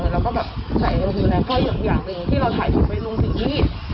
เราก็แบบใส่เราดูแลพ่ออย่างหนึ่งที่เราถ่ายถูกไปลงสิ่งที่